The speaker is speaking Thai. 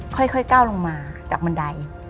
ค่อยก้าวลงมาจากบันได